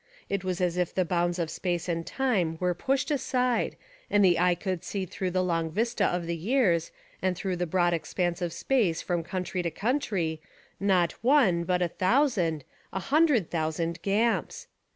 It was as if the bounds of space and time were pushed aside and the eye could see through the long vista of the years, and through the broad expanse of space from country to country, not one but a thou sand, — a hundred thousand Gamps.